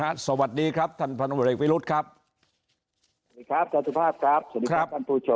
สวัสดีครับสวัสดีครับท่านผู้ชมทุกฟังทุกท่านครับเชิญครับ